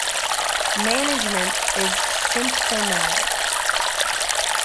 Management is symptomatic.